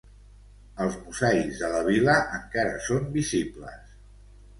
Els mosaics de la vila encara són visibles.